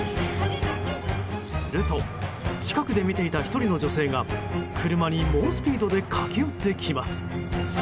すると近くで見ていた１人の女性が車に猛スピードで駆け寄ってきます。